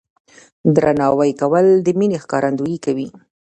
درناوی کول د مینې ښکارندویي کوي.